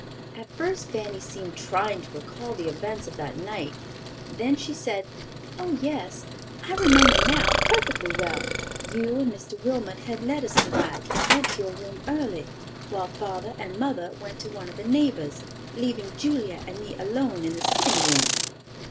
At first Fanny seemed trying to recall the events of that night; then she said: "Oh, yes, I remember now perfectly well. You and Mr. Wilmot had letters to write, and went to your room early, while father and mother went to one of the neighbors, leaving Julia and me alone in the sitting room."